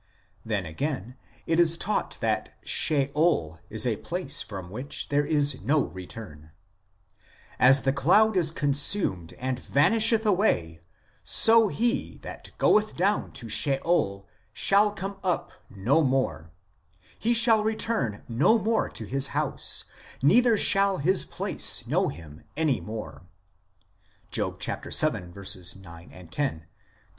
Then, again, it is taught that Sheol is a place from which there is no return : "As the cloud is consumed and vanisheth away, so he that goeth down to Sheol shall come up no more ; he shall return no more to his house, neither shall his place know him any more " (Job vii. 9, 10, cp.